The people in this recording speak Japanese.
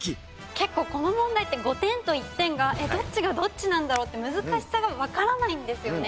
結構この問題って５点と１点がどっちがどっちなんだろうって難しさがわからないんですよね。